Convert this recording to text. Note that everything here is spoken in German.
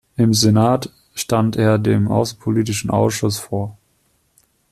Im Senat stand er dem außenpolitischen Ausschuss vor.